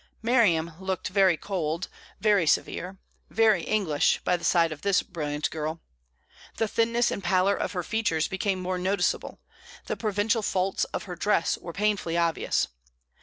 Miriam looked very cold, very severe, very English, by the side of this brilliant girl. The thinness and pallor of her features became more noticeable; the provincial faults of her dress were painfully obvious.